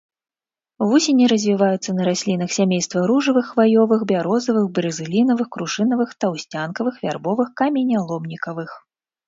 Вусені развіваюцца на раслінах сямейства ружавых, хваёвых, бярозавых, брызглінавых, крушынавых, таўсцянкавых, вярбовых, каменяломнікавых.